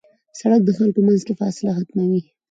سړک د خلکو منځ کې فاصله ختموي.